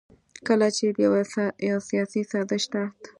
کله چې د يو سياسي سازش تحت